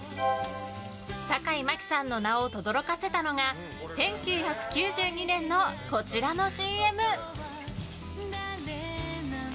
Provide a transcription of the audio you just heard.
坂井真紀さんの名をとどろかせたのが１９９２年のこちらのＣＭ。